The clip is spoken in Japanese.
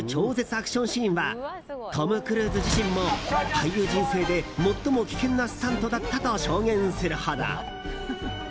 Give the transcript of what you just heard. アクションシーンはトム・クルーズ自身も俳優人生で最も危険なスタントだったと証言するほど。